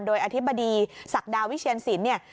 โดยอธิบดีศักดาวิเชียญศิลป์